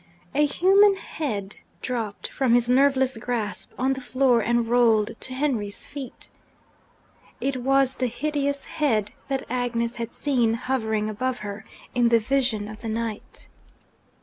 A human head dropped from his nerveless grasp on the floor, and rolled to Henry's feet. It was the hideous head that Agnes had seen hovering above her, in the vision of the night!